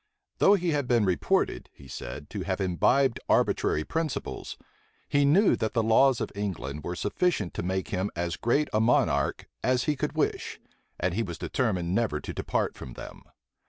Though he had been reported, he said, to have imbibed arbitrary principles, he knew that the laws of England were sufficient to make him as great a monarch as he could wish; and he was determined never to depart from them.